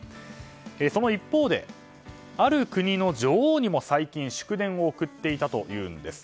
その一方、ある国の女王にも最近祝電を送っていたというんです。